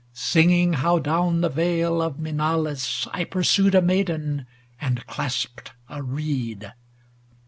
Singing how down the vale of Mienalus I pursued a maiden and clasped a reed.